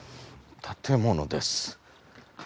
建物です。